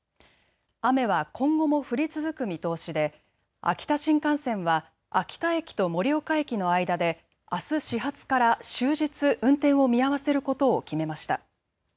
雨は今後も降り続く見通しで秋田新幹線は秋田駅と盛岡駅の間であす始発から終日運転を見合わせることを決めました。